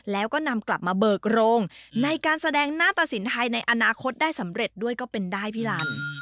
แล้วก็นำกลับมาเบิกโรงในการแสดงหน้าตะสินไทยในอนาคตได้สำเร็จด้วยก็เป็นได้พี่ลัน